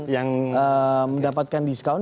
yang mendapatkan diskon